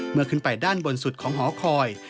เมื่อขึ้นไปด้านบนสุดของหอคอย